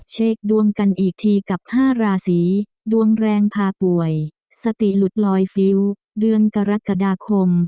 เช็คดวงกันอีกทีกับ๕ราศีดวงแรงพาป่วยสติหลุดลอยฟิ้วเดือนกรกฎาคม